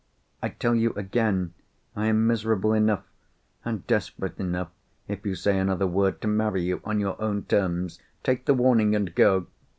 I tell you again, I am miserable enough and desperate enough, if you say another word, to marry you on your own terms. Take the warning, and go!"